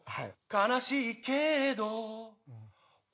「悲しいけれど」